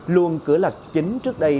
luôn cửa lạch chính trước đây